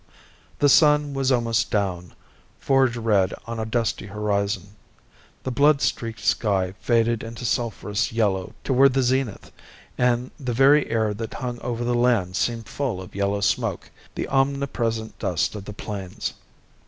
The sun was almost down, forge red on a dusty horizon. The blood streaked sky faded into sulphurous yellow toward the zenith, and the very air that hung over the land seemed full of yellow smoke, the omnipresent dust of the plains.